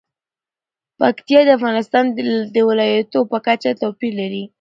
پکتیا د افغانستان د ولایاتو په کچه توپیر لري.